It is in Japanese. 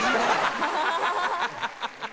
ハハハハ！